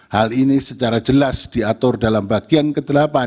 hal ini secara jelas diatur dalam bagian kedelapan